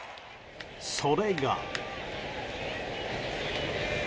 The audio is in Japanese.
それが。